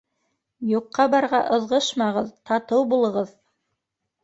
Юҡҡа-барға ыҙғышмағыҙ, татыу булығыҙ!